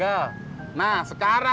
ada di rumah